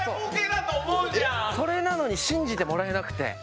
それなのに信じてもらえなくて。